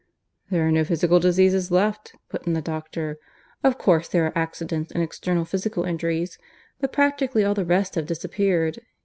"There are no physical diseases left," put in the doctor. "Of course there are accidents and external physical injuries; but practically all the rest have disappeared.